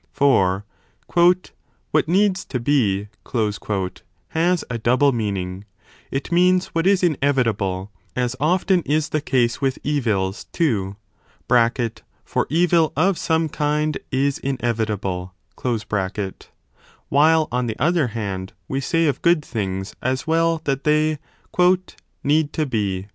For what needs to be has a double meaning : it means what is inevitable, as often is the case with evils, too (for evil of some kind is inevitable), while on the other hand we say of good things as well that they 4 need to be